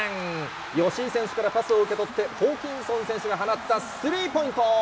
吉井選手からパスを受け取って、ホーキンソン選手が放ったスリーポイント。